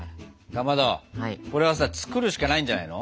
かまどこれはさ作るしかないんじゃないの？